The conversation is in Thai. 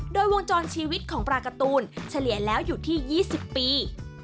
โดยวงจรชีวิตของปลาการ์ตูนเฉลี่ยแล้วอยู่ที่๒๐ปี